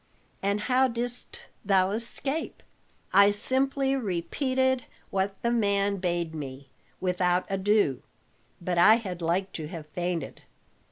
"And how didst thou escape?" "I simply repeated what the man bade me, without ado; but I had like to have fainted.